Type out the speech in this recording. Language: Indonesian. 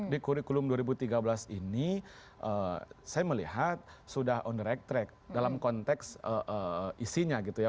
di kurikulum dua ribu tiga belas ini saya melihat sudah on the right track dalam konteks isinya gitu ya